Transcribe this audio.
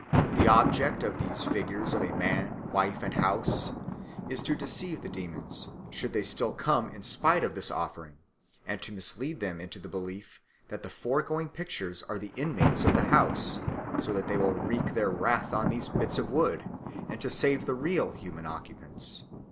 "The object of these figures of a man, wife, and house is to deceive the demons should they still come in spite of this offering, and to mislead them into the belief that the foregoing pictures are the inmates of the house, so that they may wreak their wrath on these bits of wood and to save the real human occupants."